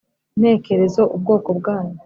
ntekereza ubwoko bwanyu,